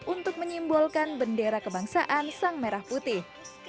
untuk menyimbolkan bendera kebangsaan sang merah putih